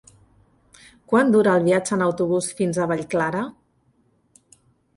Quant dura el viatge en autobús fins a Vallclara?